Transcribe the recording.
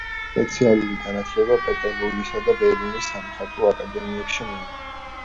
სპეციალური განათლება პეტერბურგისა და ბერლინის სამხატვრო აკადემიებში მიიღო.